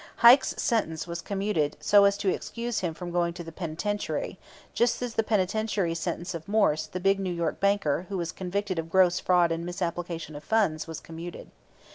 Heike's sentence was commuted so as to excuse him from going to the penitentiary; just as the penitentiary sentence of Morse, the big New York banker, who was convicted of gross fraud and misapplication of funds, was commuted.